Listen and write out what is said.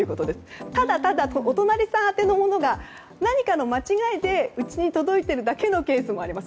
ただただお隣さん宛てのものが何かの間違えでうちに届いているだけのケースもあります。